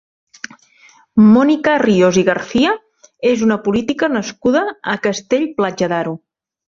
Mónica Ríos i García és una política nascuda a Castell-Platja d'Aro.